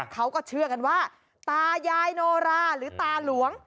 เขาก็เชื่อกันว่าตายายโนราหรือตาหลวง